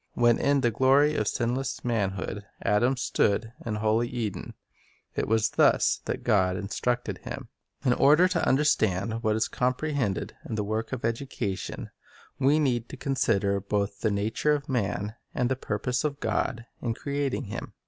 When in the glory of sinless manhood Adam stood in holy Eden, it was thus that God instructed him. In order to understand what is comprehended in the work of education, we need to consider both the nature of man and the purpose of God in creating him.